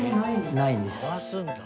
ないんです。